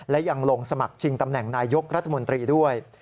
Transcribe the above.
และยังลงสมัครชิงตำแหน่งนายยกรัฐมนตรีด้วย